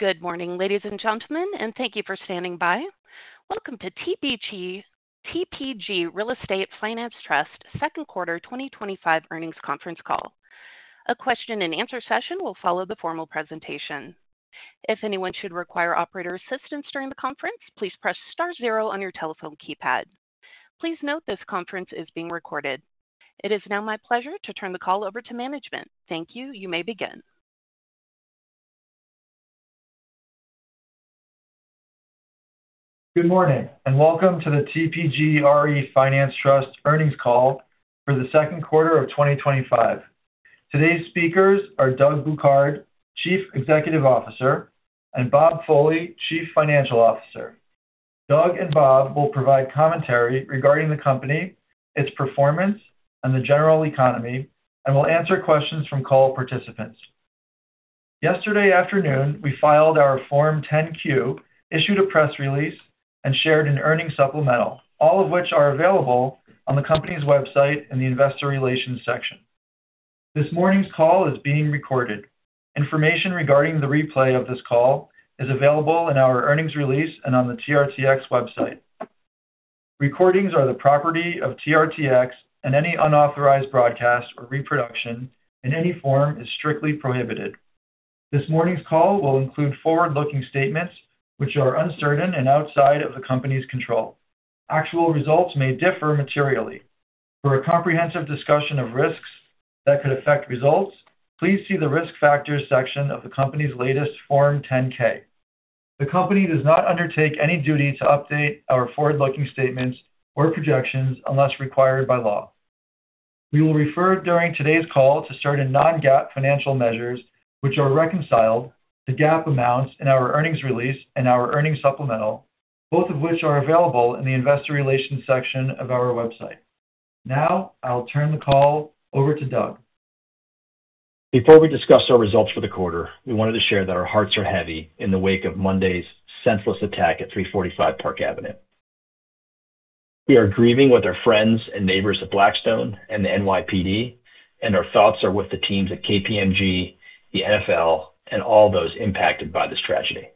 Good morning, ladies and gentlemen, and thank you for standing by. Welcome to TPG RE Finance Trust’s second quarter 2025 earnings conference call. A question and answer session will follow the formal presentation. If anyone should require operator assistance during the conference, please press *0 on your telephone keypad. Please note this conference is being recorded. It is now my pleasure to turn the call over to management. Thank you. You may begin. For a comprehensive discussion of risks that could affect results, please see the risk factors section of the company’s latest Form 10-K. The company does not undertake any duty to update our forward-looking statements or projections unless required by law. Before we discuss our results for the quarter, we wanted to share that our hearts are heavy in the wake of Monday’s senseless attack at 345 Park Avenue. We are grieving with our friends and neighbors at Blackstone and the NYPD, and our thoughts are with the teams at KPMG, the NFL, and all those impacted by this tragedy.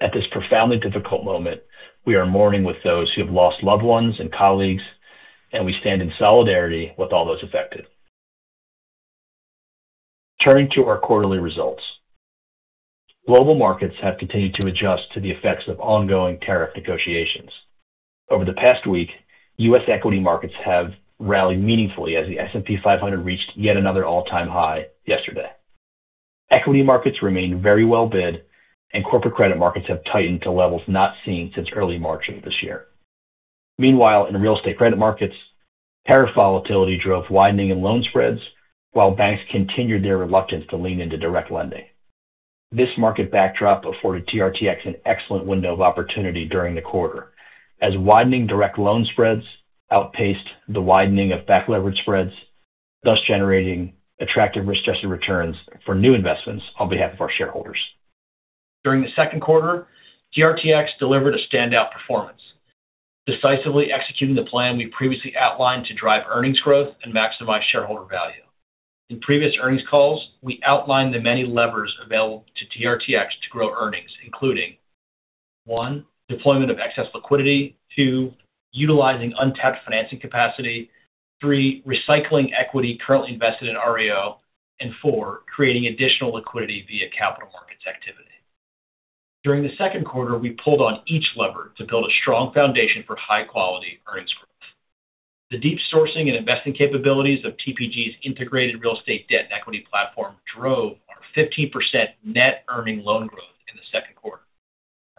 At this profoundly difficult moment, we are mourning with those who have lost loved ones and colleagues, and we stand in solidarity with all those affected. During the second quarter, TRTX delivered a standout performance, decisively executing the plan we previously outlined to drive earnings growth and maximize shareholder value. Our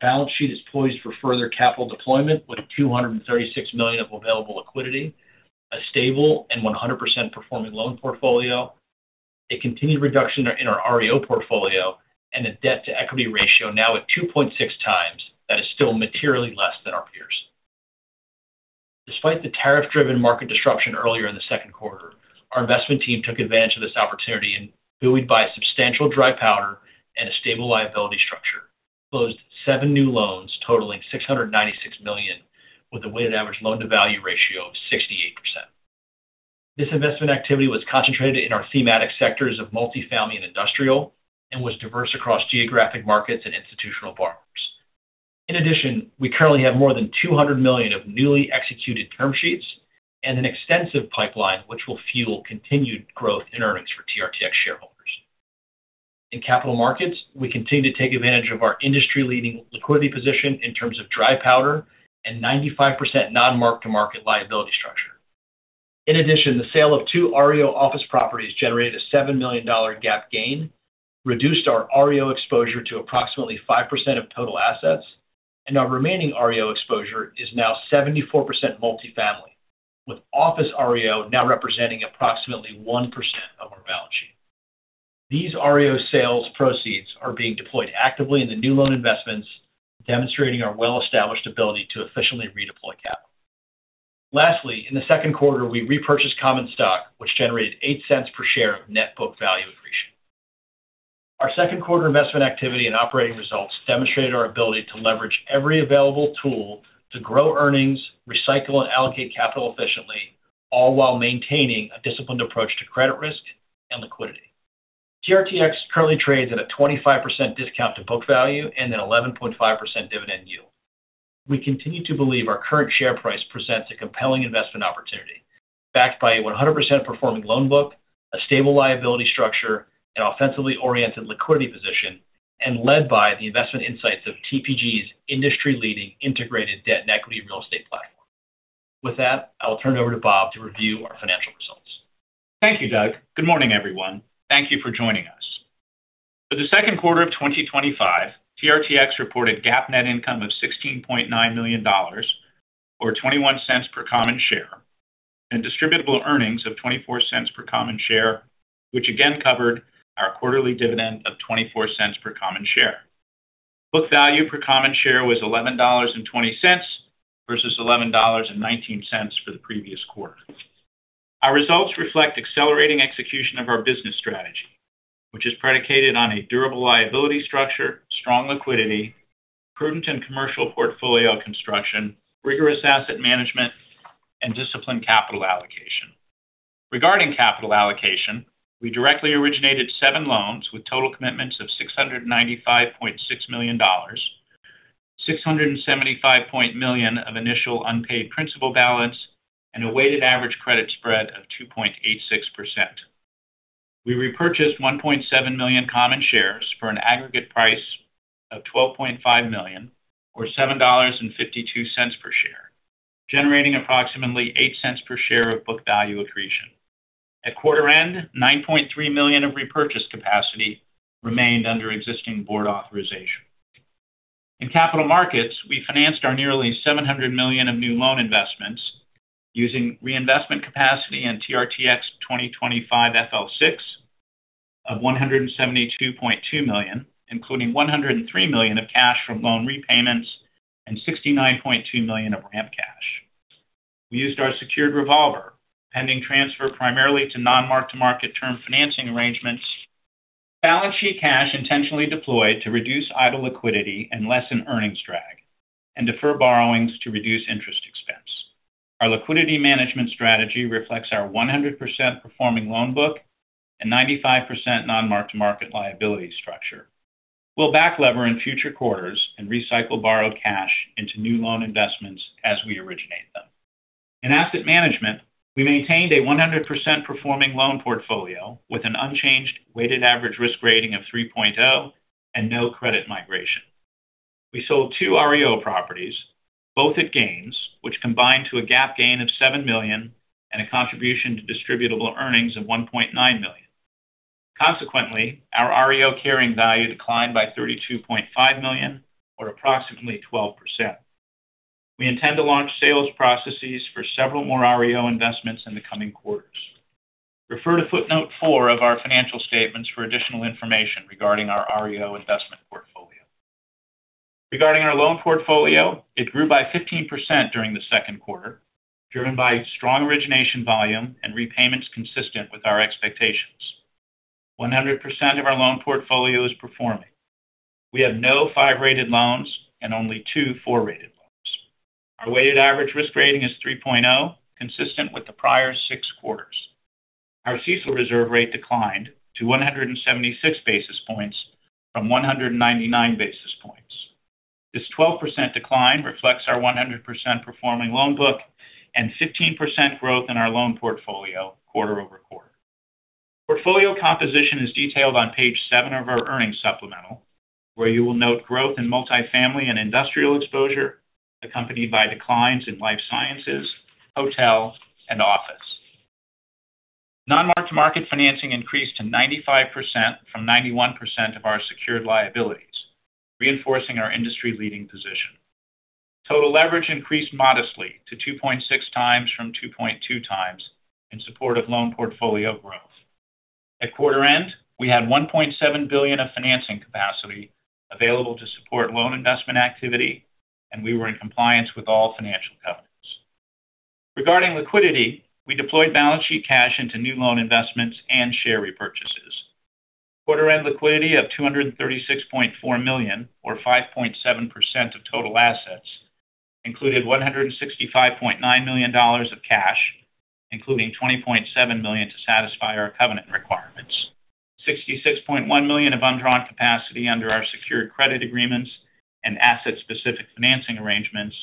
balance sheet is poised for further capital deployment with $236 million of available liquidity, a stable and 100% performing loan portfolio, a continued reduction in our REO portfolio, and a Debt-to-Equity Ratio now at 2.6 times that is still materially less than our peers. In capital markets, we continue to take advantage of our industry-leading liquidity position in terms of Dry Powder and a 95% non-Mark-to-Market liability structure. TRTX currently trades at a 25% discount to book value and an 11.5% dividend yield. We continue to believe our current share price presents a compelling investment opportunity, backed by a 100% performing loan book, a stable liability structure, an offensively oriented liquidity position, and led by the investment insights of TPG’s industry-leading integrated debt and equity real estate platform. Thank you, Doug. Good morning, everyone, and thank you for joining us. At quarter end, $9.3 million of repurchase capacity remained under existing board authorization. We sold two REO properties, both at gains, which combined to a GAAP gain of $7 million and a contribution to Distributable Earnings of $1.9 million. Consequently, our REO carrying value declined by $32.5 million, or approximately 12%. We intend to launch sales processes for several more REO investments in the coming quarters. Refer to footnote 4 of our financial statements for additional information regarding our REO investment portfolio. This 12% decline reflects our 100% performing loan book and 15% growth in our loan portfolio quarter over quarter. Portfolio composition is detailed on page 7 of our earnings supplemental, where you will note growth in Multifamily and Industrial exposure, accompanied by declines in Life Sciences, hotel, and office. Quarter-end liquidity of $236.4 million, or 5.7% of total assets, included $165.9 million of cash, including $20.7 million to satisfy our covenant requirements, $66.1 million of undrawn capacity under our secured credit agreements and asset-specific financing arrangements,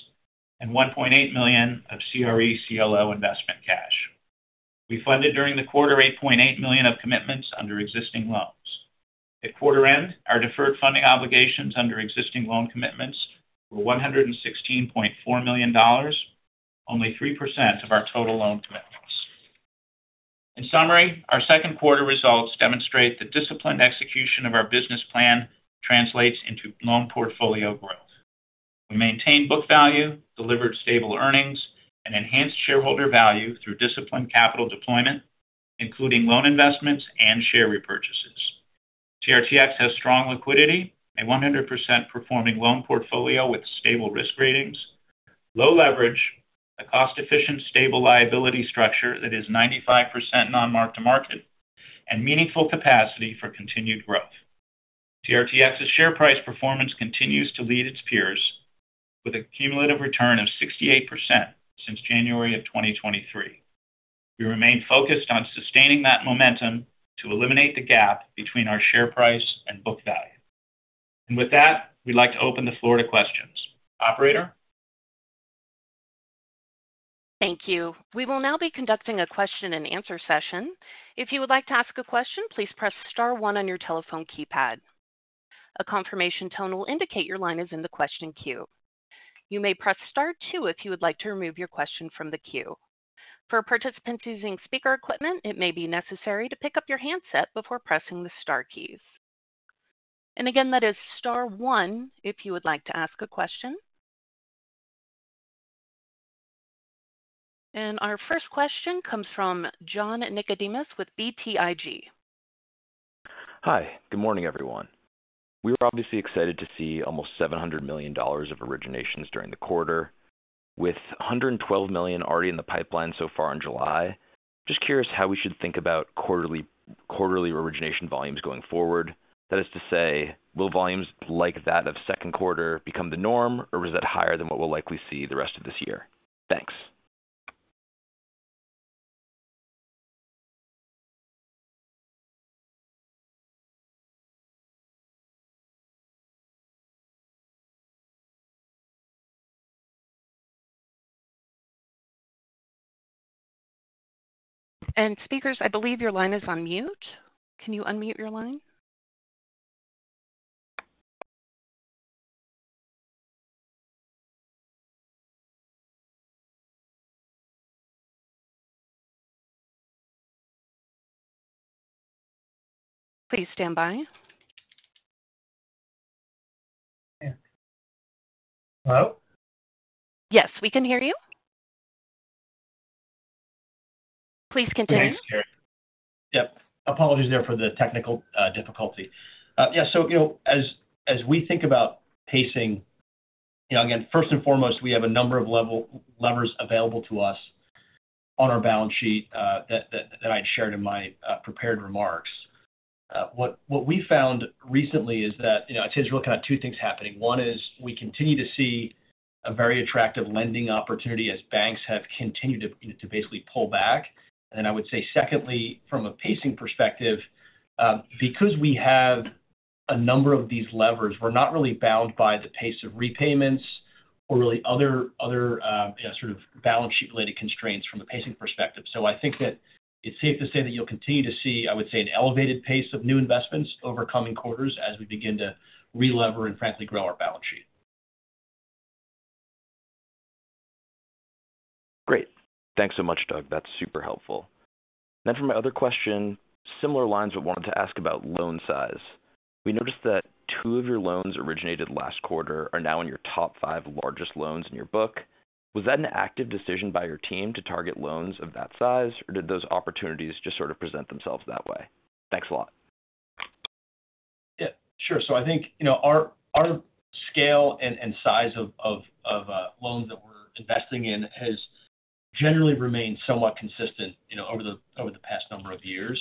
and $1.8 million of CRE/CLO investment cash. TRTX’s share price performance continues to lead its peers, with a cumulative return of 68% since January 2023. We remain focused on sustaining that momentum to eliminate the gap between our share price and book value. Thank you. We will now be conducting a question-and-answer session. If you would like to ask a question, please press *1 on your telephone keypad. A confirmation tone will indicate your line is in the question queue. You may press *2 if you would like to remove your question from the queue. Hi. Good morning, everyone. We were obviously excited to see almost $700 million of originations during the quarter, with $112 million already in the pipeline so far in July. Just curious how we should think about quarterly origination volumes going forward — that is to say, will volumes like that of the second quarter become the norm, or is that higher than what we’ll likely see the rest of this year? Thanks. Speakers, I believe your line is on mute. Can you unmute your line? Please stand by. Hello? Yes, we can hear you. Please continue. Thanks, Karen, and apologies for the technical difficulty. Great, thanks so much, Doug. That’s super helpful. For my other question — similar lines — I wanted to ask about loan size. We noticed that two of your loans originated last quarter are now in your top five largest loans in your book. Was that an active decision by your team to target loans of that size, or did those opportunities just present themselves that way? Thanks a lot. Yeah, sure. I think our scale and the size of loans that we’re investing in has generally remained somewhat consistent over the past number of years.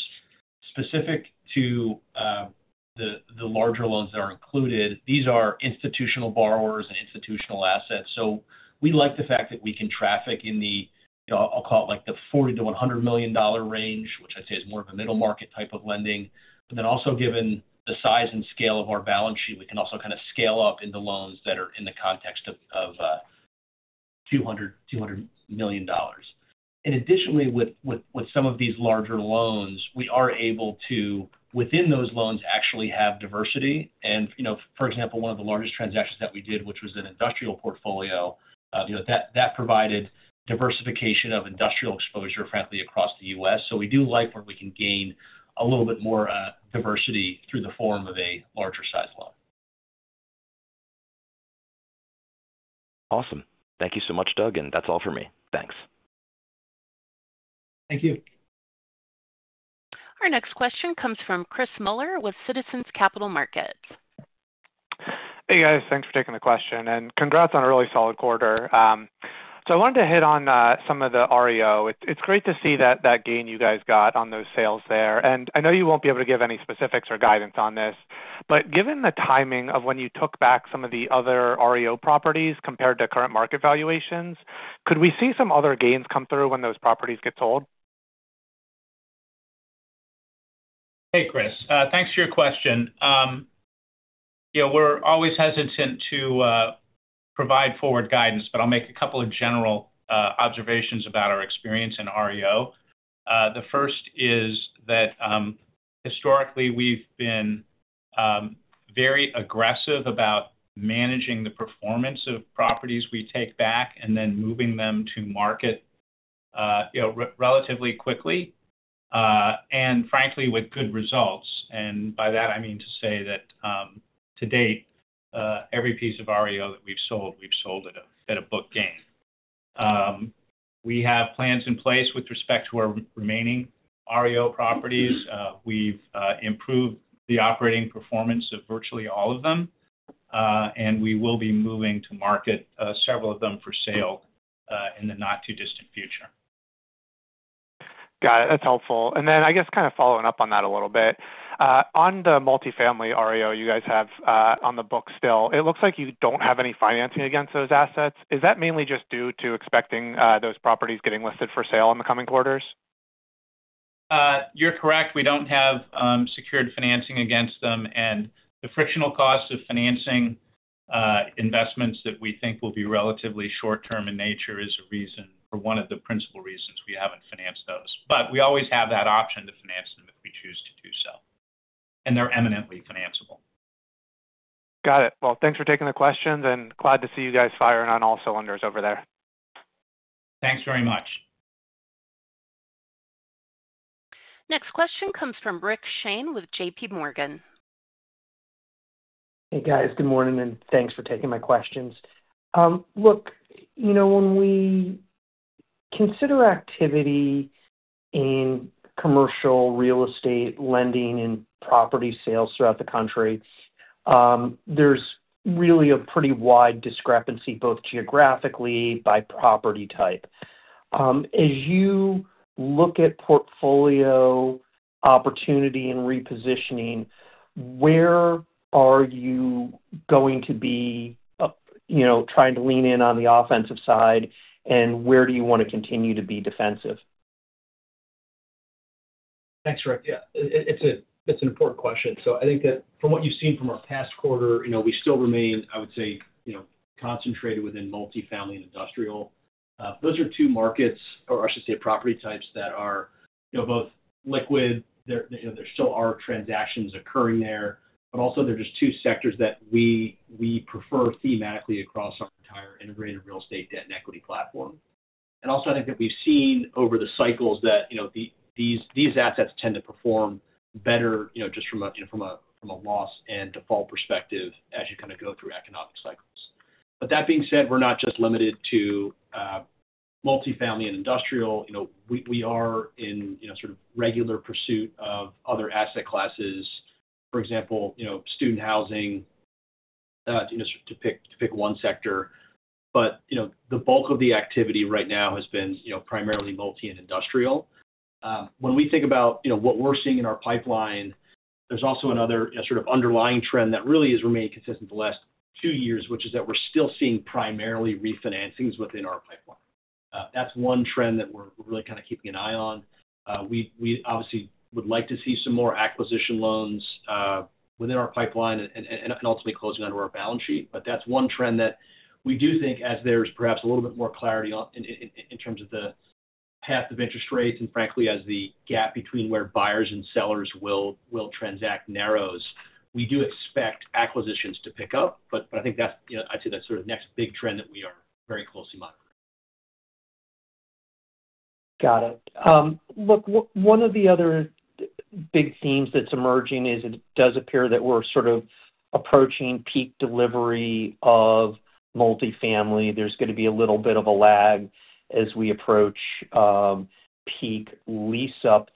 Awesome. Thank you so much, Doug. That's all for me. Thanks. Thank you. Our next question comes from Chris Miller with Citizens Capital Markets. Hey, guys. Thanks for taking the question, and congrats on a really solid quarter. I wanted to hit on some of the REO. It’s great to see that gain you got on those sales there. I know you won’t be able to give any specifics or guidance on this, but given the timing of when you took back some of the other REO properties compared to current market valuations, could we see some other gains come through when those properties get sold? Hey, Chris. Thanks for your question. You know, we’re always hesitant to provide forward guidance, but I’ll make a couple of general observations about our experience in REO. Got it, that’s helpful. I guess, kind of following up on that a little bit — on the Multifamily REO you still have on the books, it looks like you don’t have any financing against those assets. Is that mainly due to expecting those properties to be listed for sale in the coming quarters? You’re correct — we don’t have secured financing against them. The frictional cost of financing investments that we think will be relatively short term in nature is one of the principal reasons we haven’t financed those. We always have the option to finance them if we choose to do so, and they’re eminently financeable. Got it. Thanks for taking the questions. Glad to see you guys firing on all cylinders over there. Thanks very much. Next question comes from Rick Shane with J.P. Morgan. Hey, guys. Good morning, and thanks for taking my questions. When we consider activity in commercial real estate lending and property sales throughout the country, there’s really a pretty wide discrepancy both geographically and by property type. Thanks, Rick. Yeah, it’s an important question. From what you’ve seen over the past quarter, we still remain, I’d say, concentrated within Multifamily and industrial. Those are two markets — or, I should say, property types — that are both liquid. There are still transactions occurring there, and they’re two sectors we prefer thematically across our integrated real estate debt and equity platform. When we think about what we’re seeing in our pipeline, there’s another underlying trend that has remained consistent over the last two years — we’re still seeing primarily refinancings within our pipeline. That’s one trend we’re keeping an eye on. Got it. One of the other big themes that’s emerging is that we’re approaching peak delivery in Multifamily. There’s going to be a bit of a lag as we reach peak lease-up.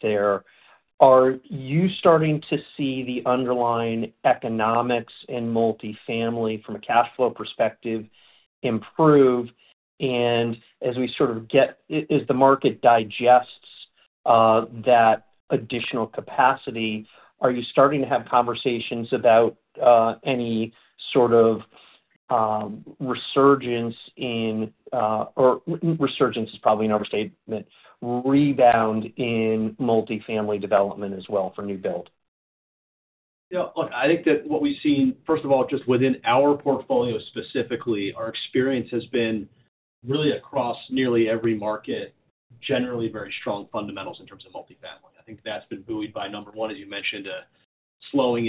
Are you starting to see the underlying economics in Multifamily — from a cash flow perspective — improve? Yeah, look, I think that what we’ve seen — first of all, within our portfolio specifically — is generally very strong Multifamily fundamentals across nearly every market.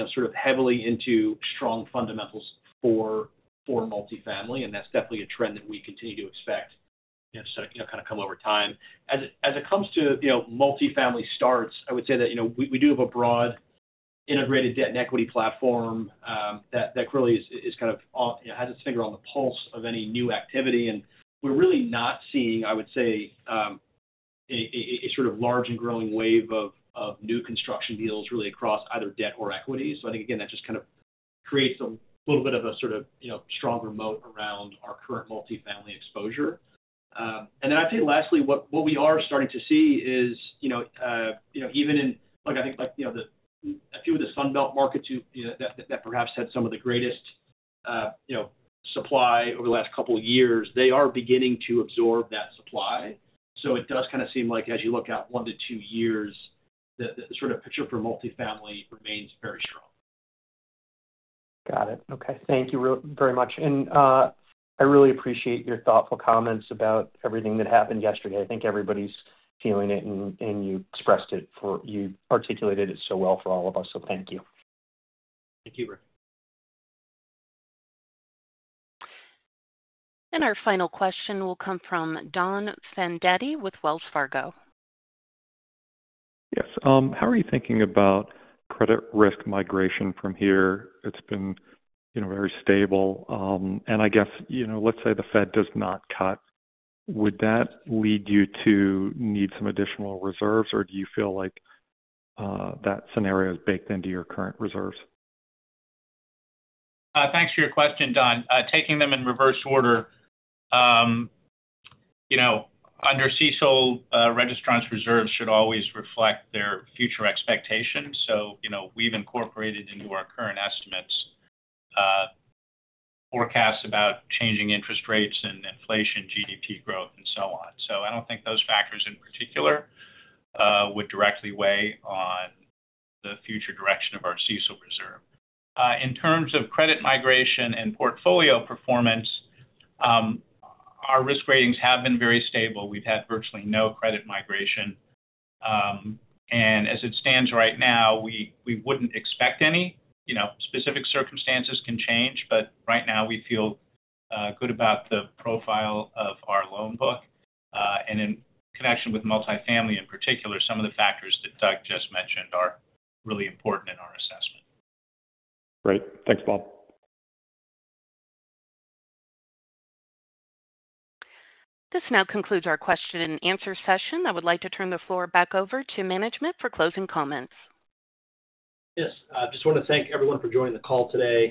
As it relates to multifamily starts, I’d say that we have a broad, integrated debt and equity platform that really has its finger on the pulse of new activity. We’re not seeing a large or growing wave of new construction deals across either debt or equity. Got it. Okay, thank you very much. I really appreciate your thoughtful comments about everything that happened yesterday. I think everybody’s feeling it, and you articulated it so well for all of us. Thank you. Thank you, Rick. Our final question will come from Don Fandetti with Wells Fargo. Yes. How are you thinking about credit risk migration from here? It’s been very stable. Let’s say the Fed does not cut — would that lead you to need some additional reserves, or do you feel like that scenario is already baked into your current reserves? Thanks for your question, Don. Taking them in reverse order, under CECL, registrants’ reserves should always reflect their future expectations. We’ve incorporated into our current estimates forecasts about changing interest rates, inflation, GDP growth, and so on. I don’t think those factors in particular would directly weigh on the future direction of our CECL reserve. Great. Thanks, Bob. This concludes our question-and-answer session. I’d now like to turn the floor back over to management for closing comments. Yes, I just want to thank everyone for joining the call today.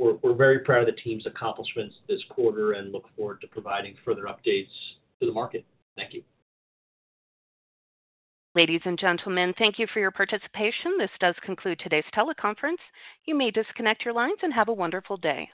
We’re very proud of the team’s accomplishments this quarter and look forward to providing further updates to the market. Thank you. Ladies and gentlemen, thank you for your participation.